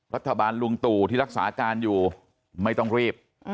ลุงตู่ที่รักษาการอยู่ไม่ต้องรีบ